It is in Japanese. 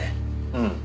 うん。